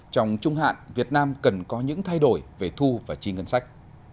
trong trung hạn việt nam cần có những thay đổi về thu và chi ngân sách